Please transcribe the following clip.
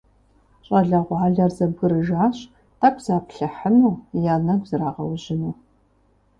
ЩӀалэгъуалэр зэбгрыжащ тӀэкӀу заплъыхьыну, я нэгу зрагъэужьыну.